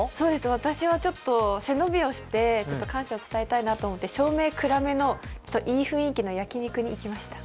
私はちょっと背伸びをして感謝を伝えたいなと思って照明暗めのいい雰囲気の焼肉屋に行きました。